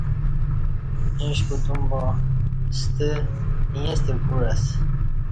ایݩش کوتوم با ستہ ایݩستہ کوع اسہ